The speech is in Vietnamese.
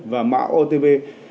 và mạng otv